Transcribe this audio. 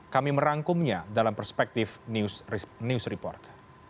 kami merangkumnya dalam perspektif news report